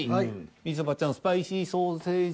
みちょぱちゃん「スパイシーソーセージ」。